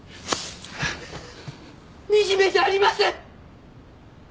惨めじゃありません！